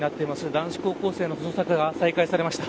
男子高校生の捜索が再開されました。